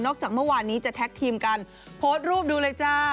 จากเมื่อวานนี้จะแท็กทีมกันโพสต์รูปดูเลยจ้า